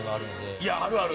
いやあるある。